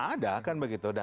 ada kan begitu